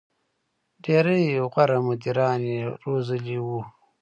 • ډېری غوره مدیران یې روزلي وو.